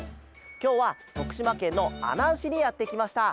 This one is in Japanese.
きょうはとくしまけんのあなんしにやってきました。